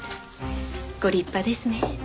ご立派ですねえ。